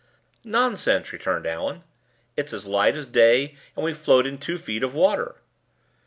"Nonsense!" returned Allan. "It's as light as day, and we float in two feet of water."